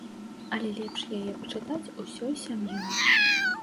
Але лепш яе пачытаць усёй сям'ёй.